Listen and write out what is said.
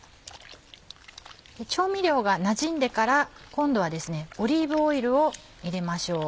調味料がなじんでから今度はオリーブオイルを入れましょう。